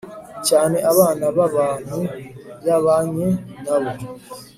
cyane abana b abantu yabanye nabo